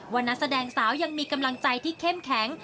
นักแสดงสาวยังมีกำลังใจที่เข้มแข็ง